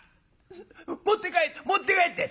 持って帰って持って帰って！」。